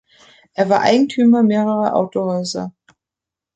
Er war Eigentümer mehrerer Autohäuser.